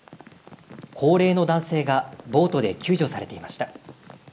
高齢の男性がボートで救助されていました。